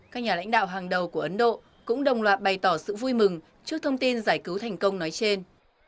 các nhà lãnh đạo hàng đầu của ấn độ cũng đồng loạt bày tỏ sự vui mừng trước thông tin giải cứu thành công nói trên